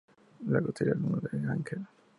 Luego sería alumno de Angell.